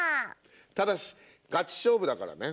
ただしガチ勝負だからね。